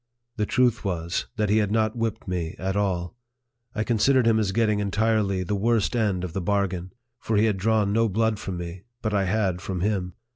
The truth was, that he had not whipped me at all. I considered him as getting en tirely the worst end of the bargain ; for he had drawn no blood from me, but I had from him.